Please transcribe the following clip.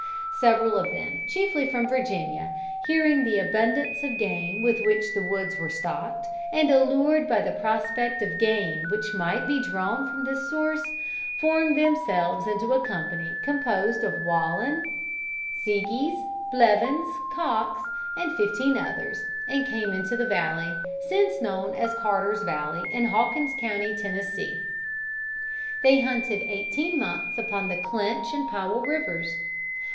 Several of them, chiefly from Virginia, hearing of the abundance of game with which the woods were stocked, and allured by the prospect of gain which might be drawn from this source, formed themselves into a company composed of Wallen, Seagys, Blevins, Cox and fifteen others, and came into the valley, since known as Carter's Valley, in Hawkin's county, Tennessee. They hunted eighteen months upon Clinch and Powell rivers.